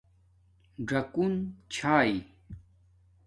ژَکُن چھائ